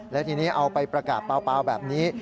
และทีนี้เอาไปประกาศเปล่าแบบนี้